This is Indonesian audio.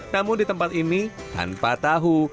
namun di tempat ini tanpa tahu